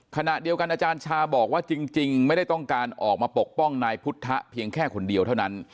ขณะเดียวกันอาจารย์ชาบอกว่าจริงไม่ได้ต้องการออกมาปกป้องนายพุทธเพียงแค่คนเดียวเท่านั้น